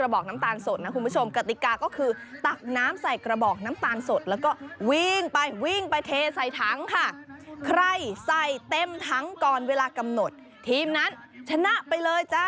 วนอยู่ในกระทะนี่